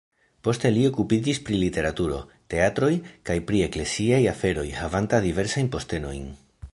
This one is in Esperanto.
Poste li okupiĝis pri literaturo, teatroj kaj pri ekleziaj aferoj havanta diversajn postenojn.